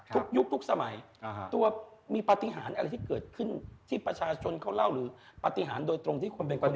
ยุคทุกสมัยตัวมีปฏิหารอะไรที่เกิดขึ้นที่ประชาชนเขาเล่าหรือปฏิหารโดยตรงที่ควรเป็นปฏิ